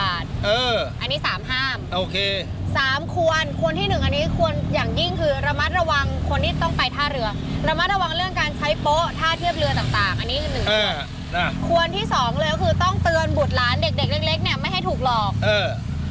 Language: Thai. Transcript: อันนี้๓ห้ามสามควรควรที่หนึ่งอันนี้ควรอย่างยิ่งคือระมัดระวังควรที่ต้องไปท่าเรือ